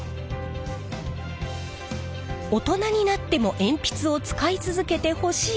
「大人になっても鉛筆を使い続けてほしい」。